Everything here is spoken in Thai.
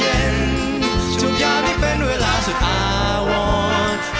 ยามเย็นทุกอย่างได้เป็นเวลาสุดอาวรรดิ์